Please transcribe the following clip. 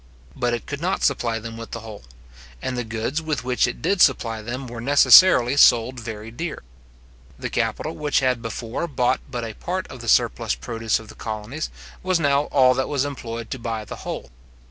But it could not supply them with the whole; and the goods with which it did supply them were necessarily sold very dear. The capital which had before bought but a part of the surplus produce of the colonies, was now all that was employed to buy the whole.